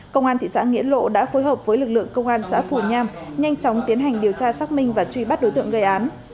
công an thị xã nghĩa lộ đã phối hợp với lực lượng công an xã phù nham nhanh chóng tiến hành điều tra xác minh và truy bắt đối tượng gây án